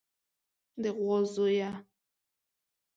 د غوا زويه.